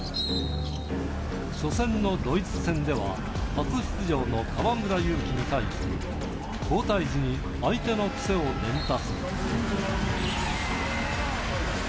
初戦のドイツ戦では、初出場の河村勇輝に対して、交代時に相手の癖を伝達。